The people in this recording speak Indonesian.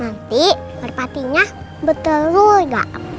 nanti berpatinya bertelur gak